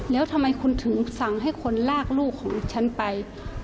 แล้วทำไมคุณถึงสั่งให้คนลากลูกของฉันไป